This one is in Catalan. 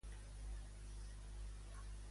Què va concedir a Mahishàsura?